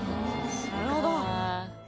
なるほど。